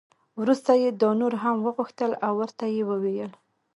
وروسته یې دا نور هم وغوښتل او ورته یې وویل.